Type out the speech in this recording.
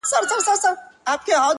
• نو د وجود؛